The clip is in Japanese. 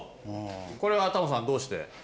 これはタモさんどうして？